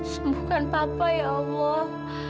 sembuhkan papa ya allah